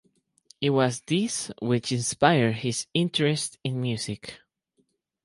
It was this which inspired his interest in music.